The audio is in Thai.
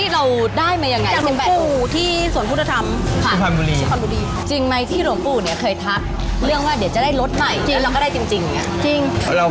แล้วก็เคยแบบว่าเกิดบริหารที่แบบว่าได้เงินหมื่น